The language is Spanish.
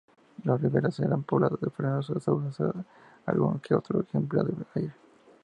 Las riberas están pobladas de fresnos, sauces y algún que otro ejemplar de haya.